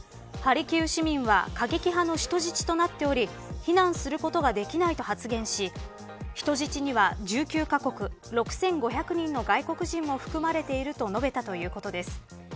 ハルキウ市民は過激派の人質となっており避難することができないと発言し人質には１９か国６５００人の外国人も含まれていると述べたということです。